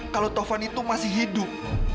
kalau tovan itu masih hidup